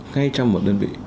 ngay trong một đơn vị